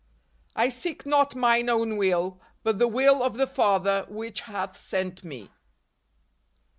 " I seek not mine own will, but the will of the Father which hath sent me."